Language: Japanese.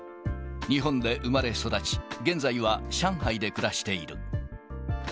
日本で生まれ育ち、現在は上海で暮らしている。